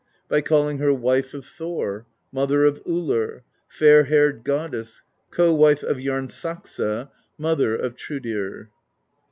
By calling her Wife of Thor, Mother of Ullr, Fair Haired Goddess, Co Wife of Jarnsaxa, Mother of Thrudr.